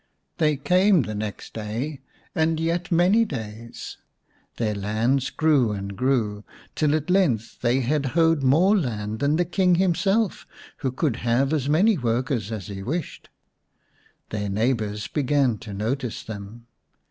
They came the next day, and yet many days. Their lands grew and grew till at length they had hoed more land than the King himself, who could have as many workers as he wished. Their neighbours began to notice them.